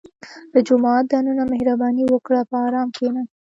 • د جومات دننه مهرباني وکړه، په ارام کښېنه.